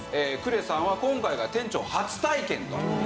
呉さんは今回が店長初体験と。